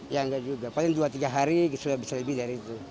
ya enggak juga paling dua tiga hari sudah bisa lebih dari itu